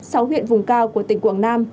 sáu huyện vùng cao của tỉnh quảng nam